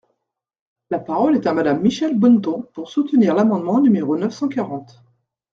La parole est à Madame Michèle Bonneton, pour soutenir l’amendement numéro neuf cent quarante.